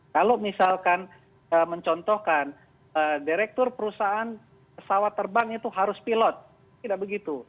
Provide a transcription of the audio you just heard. kalau misalkan mencontohkan direktur perusahaan pesawat terbang itu harus pilot tidak begitu